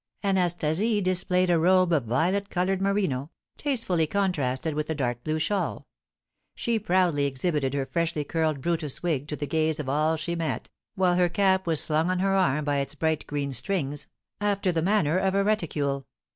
Anastasie displayed a robe of violet coloured merino, tastefully contrasted with a dark blue shawl. She proudly exhibited her freshly curled Brutus wig to the gaze of all she met, while her cap was slung on her arm by its bright green strings, after the manner of a reticule.